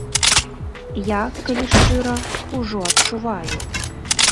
Я, калі шчыра, ужо адчуваю.